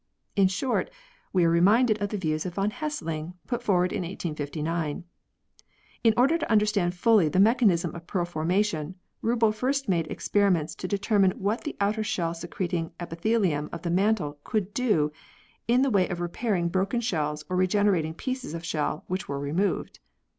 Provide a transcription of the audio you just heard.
In short, we are reminded of the views of von Hessling, put forward in 1859. In order to understand fully the mechanism of pearl formation, Rubbel first made experiments to determine what the outer shell secreting epithelium of the mantle could do in the way of repairing broken shells or regenerating pieces of shell that were re moved.